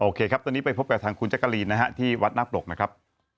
โอเคครับตอนนี้ไปพบกับทางคุณแจ๊กกะลีนที่วัดนาคปลกนะครับ